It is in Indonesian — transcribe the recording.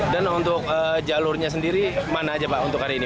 dan untuk jalurnya sendiri mana aja pak untuk hari ini